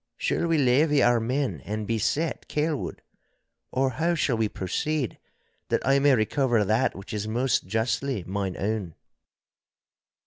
Shall we levy our men and beset Kelwood, or how shall we proceed that I may recover that which is most justly mine own?